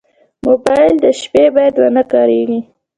موبایل د شپې باید ونه کارېږي.